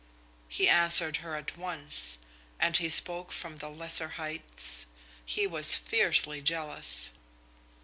He answered her at once, and he spoke from the lesser heights. He was fiercely jealous.